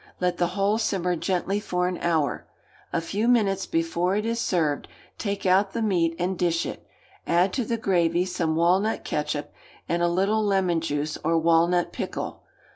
Let the whole simmer gently for an hour, A few minutes before it is served, take out the meat and dish it, add to the gravy some walnut ketchup, and a little lemon juice or walnut pickle.